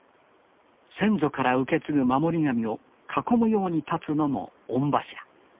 先祖から受け継ぐ守り神を囲むようにたつのも御柱。